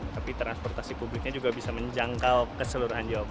tapi transportasi publiknya juga bisa menjangkau keseluruhan jawabannya